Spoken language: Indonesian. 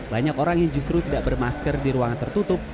banyak orang yang justru tidak bermasker di ruangan tertutup